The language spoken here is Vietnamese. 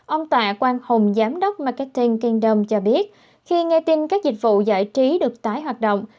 ông tạ quang hùng giám đốc marketing kinh dom cho biết khi nghe tin các dịch vụ giải trí được tái hoạt động